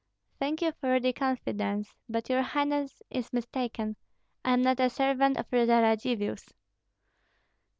"Thank you for the confidence. But your highness is mistaken. I am not a servant of the Radzivills."